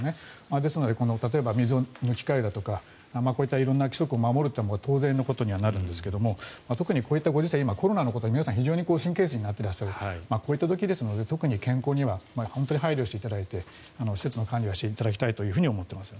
ですので、例えば水の抜き換えとか色んな規則を守るというのは当然のことにはなるんですが特に、こういったご時世コロナのことに関して皆さん、非常に神経質になっていらっしゃる時なので健康には配慮していただいて施設の管理をしていただきたいなと思います。